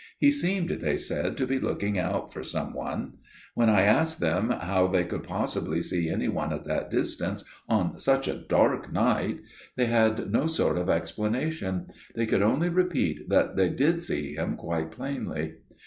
He seemed, they said, to be looking out for some one. When I asked them how they could possibly see any one at that distance on such a dark night, they had no sort of explanation; they could only repeat that they did see him quite plainly.